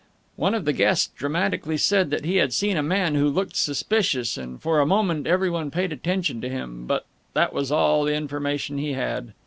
One of the guests dramatically said that he had seen a man who looked suspicious, and for a moment every one paid attention to him, but that was all the information he had.